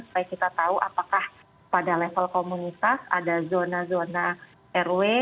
supaya kita tahu apakah pada level komunitas ada zona zona rw